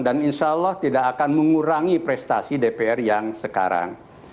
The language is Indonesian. dan insya allah tidak akan mengurangi prestasi dpr yang sekarang